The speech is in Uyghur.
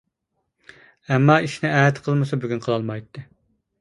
ئەمما ئىشنى ئەتە قىلمىسا بۈگۈن قىلالمايتتى.